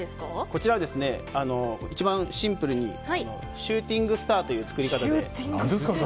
こちらは、一番シンプルにシューティングスターという作り方で。